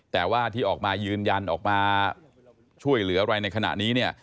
แต่ว่าที่ออกมายืนยันออกมาช่วยเหลืออะไรในขณะนี้เนี่ย